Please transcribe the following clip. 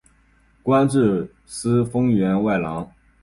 官至司封员外郎。